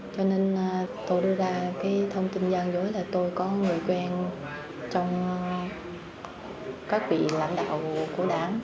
cho nên tôi đưa ra cái thông tin gian dối là tôi có người quen trong các vị lãnh đạo của đảng